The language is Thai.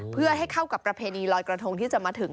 เพื่อให้เข้ากับประเพณีลอยกระทงที่จะมาถึง